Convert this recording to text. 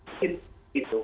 jadi saya akan lengkapi aja